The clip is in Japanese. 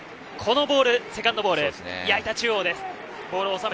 このボールがセカンドボール、矢板中央です。